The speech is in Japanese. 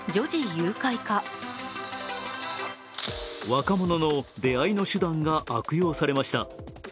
若者の出会いの手段が悪用されました。